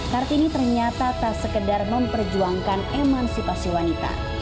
kartini ternyata tak sekedar memperjuangkan emansipasi wanita